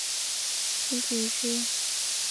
本市在东京都议会选举区中属西多摩选举区。